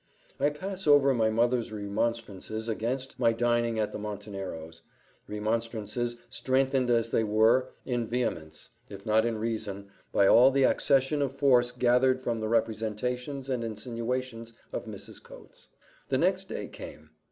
I pass over my mother's remonstrances against my dining at the Monteneros'; remonstrances, strengthened as they were in vehemence, if not in reason, by all the accession of force gathered from the representations and insinuations of Mrs. Coates. The next day came.